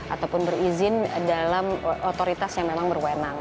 ataupun berizin dalam otoritas yang memang berwenang